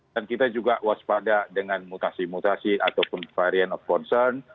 dan kita juga waspada dengan mutasi mutasi ataupun varian of concern